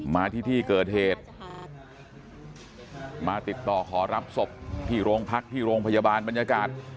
มาที่ที่เกิดเหตุมาติดต่อขอรับศพที่โรงพักที่โรงพยาบาลบรรยากาศ